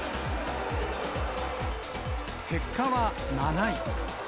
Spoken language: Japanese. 結果は７位。